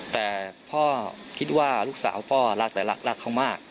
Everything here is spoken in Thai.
แต่พ่อคิดว่าลูกสาวพ่อรักแต่รักเขามาก